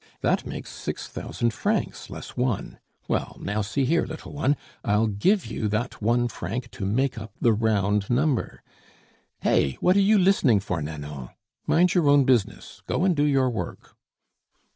That makes six thousand francs, less one. Well, now see here, little one! I'll give you that one franc to make up the round number. Hey! what are you listening for, Nanon? Mind your own business; go and do your work."